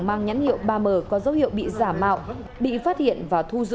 mang nhãn hiệu ba m có dấu hiệu bị giả mạo